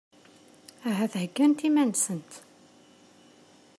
Ahat heggant iman-nsent.